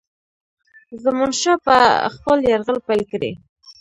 زمانشاه به خپل یرغل پیل کړي.